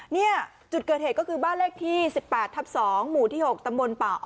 เนี่ยจุดเกิดเหตุก็คือบ้านเลขที่๑๘ทับ๒หมู่ที่๖ตำบลป่าอ้อ